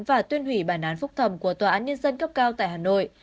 và tuyên hủy bản án phúc thẩm của tòa án nhân dân cấp cao tại hà nội